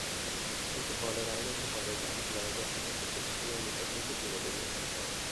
কিন্তু কলের আইন এবং কলের জাহাজ ম্যানেজারটিকে শশিভূষণের নিকট হইতে দূরে লইয়া গেল।